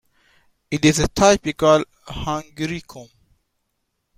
It is a typical Hungarikum.